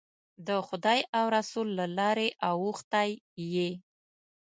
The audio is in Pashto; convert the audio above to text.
د خدای او رسول له لارې اوښتی یې.